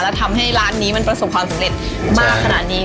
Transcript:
และทำให้ร้านนี้มันประสบความสำเร็จมากขนาดนี้